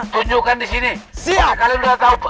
tunjukkan di sini kalian udah tahu